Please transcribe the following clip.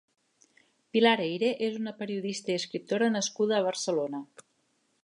Pilar Eyre és una periodista i escriptora nascuda a Barcelona.